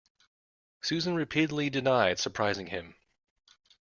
Susan repeatedly denied surprising him.